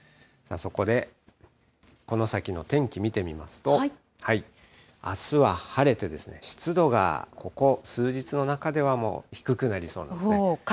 そこで、この先の天気、見てみますと、あすは晴れて、湿度がここ数日の中では、もう低くなりそうですね。